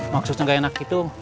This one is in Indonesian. maksudnya nggak enak gitu